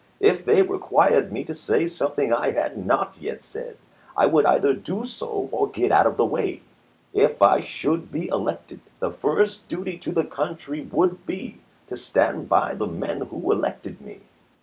If they required me to say something I had not yet said, I would either do so or get out of the way. If I should be elected, the first duty to the country would be to stand by the men who elected me."